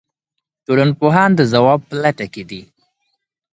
ټولنپوهان د ځواب په لټه کې دي.